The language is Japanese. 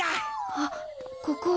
あっここは。